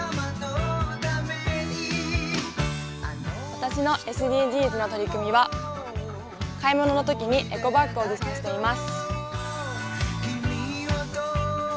私のＳＤＧｓの取り組みは買い物のときにエコバッグを持参しています。